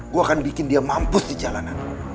gue akan bikin dia mampu di jalanan